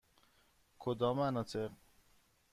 کدام مناطق؟